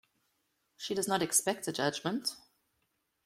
She does not expect a judgment?